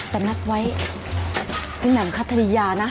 แต่นัดไว้พี่แหม่มคัทธริยานะ